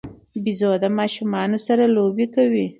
بيزو د ماشومانو سره لوبې کوي.